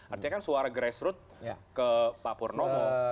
arti kan suara grassroots ke pak purwono